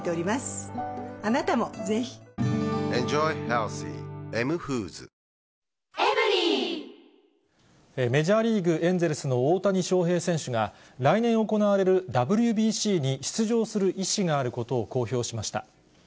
カロカロカロカロカロリミットメジャーリーグ・エンゼルスの大谷翔平選手が、来年行われるＷＢＣに出場する意思があることを公表しました。